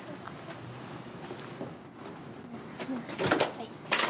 はい。